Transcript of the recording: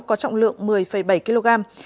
có trọng lượng một mươi bảy kg